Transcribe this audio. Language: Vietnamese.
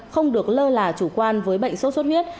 không được lơ là chủ quan với bệnh sốt xuất huyết